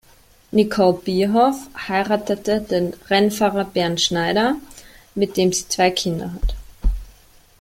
Nicole Bierhoff heiratete den Rennfahrer Bernd Schneider, mit dem sie zwei Kinder hat.